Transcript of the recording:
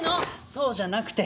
そうじゃなくて。